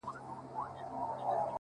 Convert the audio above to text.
• زه منکر نه یمه احسان یې د راتللو منم,